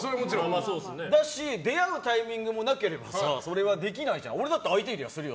そうだし出会うタイミングもなければそれもできないじゃん。